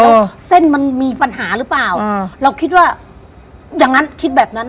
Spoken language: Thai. แล้วเส้นมันมีปัญหาหรือเปล่าอ่าเราคิดว่าอย่างนั้นคิดแบบนั้น